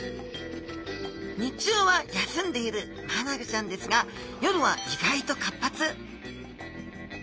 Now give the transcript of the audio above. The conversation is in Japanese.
日中は休んでいるマアナゴちゃんですが夜は意外と活発。